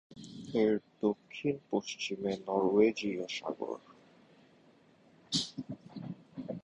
এর দক্ষিণ-পশ্চিমে নরওয়েজীয় সাগর।